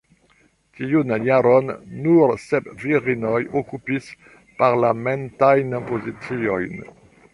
Tiun jaron, nur sep virinoj okupis parlamentajn poziciojn.